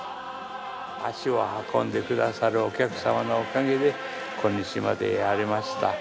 足を運んでくださるお客様のおかげで、今日までやれました。